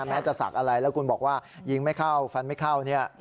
แม้จะศักดิ์อะไรแล้วคุณบอกว่ายิงไม่เข้าฟันไม่เข้าเนี่ย